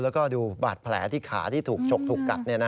แล้วก็ดูบาดแผลที่ขาที่ถูกฉกถูกกัด